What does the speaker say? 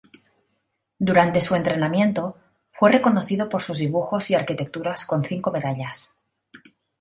Durante su entrenamiento, fue reconocido por sus dibujos y arquitecturas con cinco medallas.